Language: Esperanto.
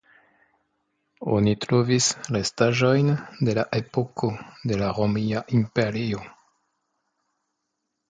Oni trovis restaĵojn de la epoko de la Romia Imperio.